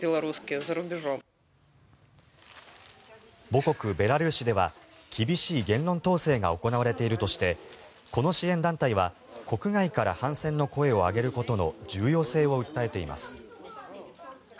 母国ベラルーシでは厳しい言論統制が行われているとしてこの支援団体は国外から反戦の声を上げることの重要性を訴えています。